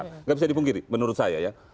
tidak bisa dipungkiri menurut saya ya